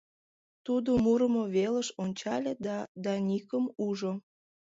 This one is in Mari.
Тудо мурымо велыш ончале да Даникым ужо.